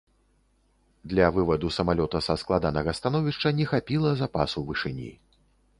Для вываду самалёта са складанага становішча не хапіла запасу вышыні.